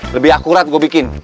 lebih akurat gue bikin